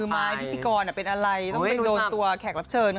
มาก